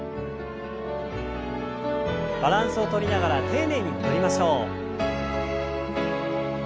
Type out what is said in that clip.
バランスをとりながら丁寧に戻りましょう。